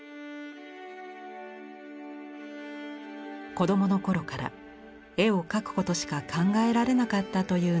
子どもの頃から絵を描くことしか考えられなかったという野見山さん。